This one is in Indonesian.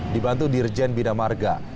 dibantu dirjen bidamarga